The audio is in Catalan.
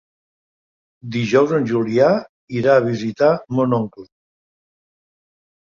Dijous en Julià irà a visitar mon oncle.